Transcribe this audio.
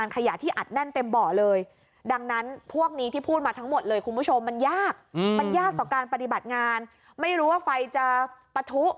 ของการปฏิบัติงานไม่รู้ว่าไฟจะปะทุ